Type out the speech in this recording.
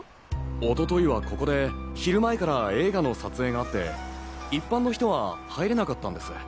おとといはここで昼前から映画の撮影があって一般の人は入れなかったんです。